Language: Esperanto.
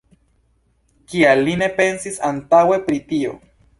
Kial li ne pensis antaŭe pri tio?